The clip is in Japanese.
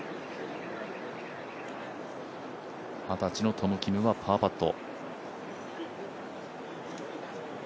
二十歳のトム・キムはパーパット。